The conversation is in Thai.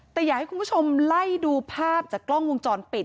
แต่อยากให้คุณผู้ชมไล่ดูภาพจากกล้องวงจรปิด